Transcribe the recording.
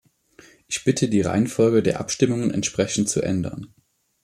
Ich bitte, die Reihenfolge der Abstimmungen entsprechend zu ändern.